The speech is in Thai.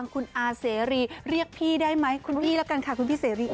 คุณอาเสรีเรียกพี่ได้ไหมคุณพี่แล้วกันค่ะคุณพี่เสรี